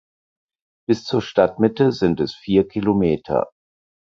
Bis zur Stadtmitte sind es vier Kilometer.